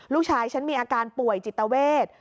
ลูกชายฉันมีอาการป่วยจิตเวท